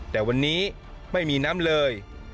แต่วันนี้ไม่มีน้ำเลย